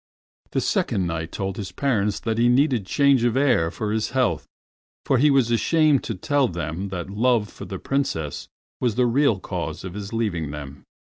The Second Knight told his parents that he needed change of air for his health, for he was ashamed to tell them that love for the Princess Moonlight was the real cause of his leaving them.